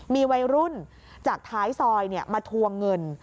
มีวัยรุ่นจากท้ายซอยมาทวงเงิน